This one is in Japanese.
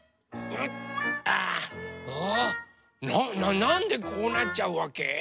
なんでこうなっちゃうわけ？